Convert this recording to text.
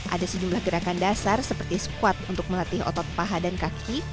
ada sejumlah gerakan dasar seperti squat untuk melatih otot paha dan kaki